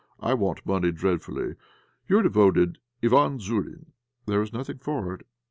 I want money dreadfully. "Your devoted "IVÁN ZOURINE." There was nothing for it.